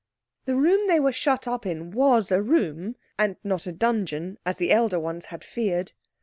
The room they were shut up in was a room, and not a dungeon, as the elder ones had feared.